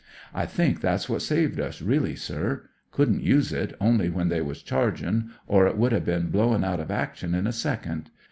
I think that's what saved us, really, sir. Couldn't use it, only when they was charging, or it would ha' bin Wown out of actic« in a second.